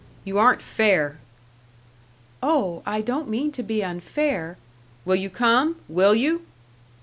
You aren't fair." "Oh, I don't mean to be unfair " "Will you come? Will you?"